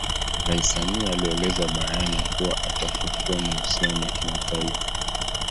Rais Samia alieleza bayana kuwa atafufua mahusiano ya kimataifa